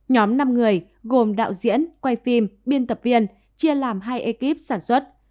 nhóm năm người gồm đạo diễn quay phim biên tập viên chia làm hai ekip sản xuất